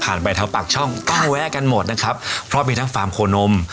ไปแถวปากช่องต้องแวะกันหมดนะครับเพราะมีทั้งฟาร์มโคนม